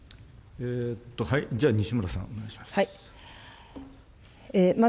じゃあ、西村さん、お願いします。